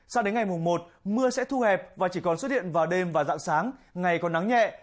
sao đến ngày mùng một mưa sẽ thu hẹp và chỉ còn xuất hiện vào đêm và dạng sáng ngày còn nắng nhẹ